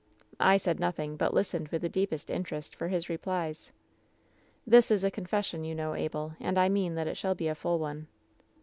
"I said nothing, but listened with the deepest interest for his replies. ("This is a confession, you know, Abel. And I mean that it shall be a full one.)